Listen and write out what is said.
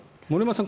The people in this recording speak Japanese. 森山さん